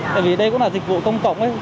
tại vì đây cũng là dịch vụ công cộng ấy